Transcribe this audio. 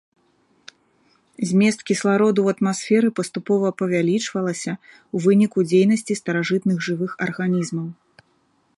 Змест кіслароду ў атмасферы паступова павялічвалася ў выніку дзейнасці старажытных жывых арганізмаў.